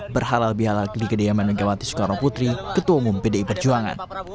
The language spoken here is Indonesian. berhalal bihalal di kediaman megawati soekarno putri ketua umum pdi perjuangan